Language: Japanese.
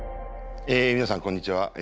え皆さんこんにちは。